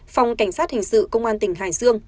phòng cảnh sát hình sự công an tỉnh hải dương